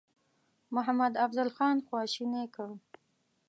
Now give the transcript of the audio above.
محمدافضل خان خواشینی کړ.